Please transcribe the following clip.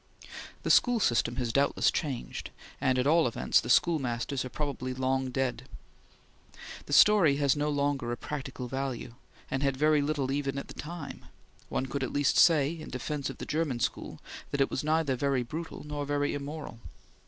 The school system has doubtless changed, and at all events the schoolmasters are probably long ago dead; the story has no longer a practical value, and had very little even at the time; one could at least say in defence of the German school that it was neither very brutal nor very immoral.